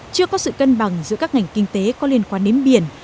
chưa có sự cân bằng giữa các ngành kinh tế có liên quan đến biển